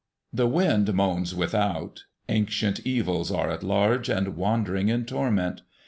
The wind moans without; ancient evils are at large and wandering in torment.